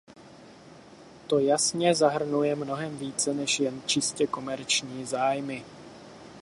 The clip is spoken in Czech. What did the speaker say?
To jasně zahrnuje mnohem více než jen čistě komerční zájmy.